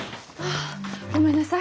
ごめんなさい。